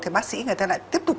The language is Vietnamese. thì bác sĩ người ta lại tiếp tục